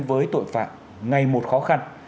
với tội phạm ngày một khó khăn